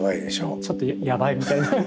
ちょっとやばいみたいな。